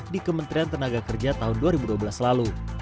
di kementerian tenaga kerja tahun dua ribu dua belas lalu